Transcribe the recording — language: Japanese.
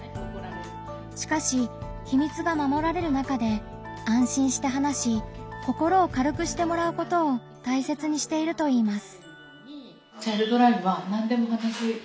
しかし秘密がまもられる中で安心して話し心を軽くしてもらうことを大切にしているといいます。